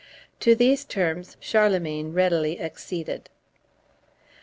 To these terms Charlemagne readily acceded.